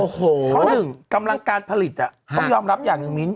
เพราะหนึ่งกำลังการผลิตต้องยอมรับอย่างหนึ่งมิ้น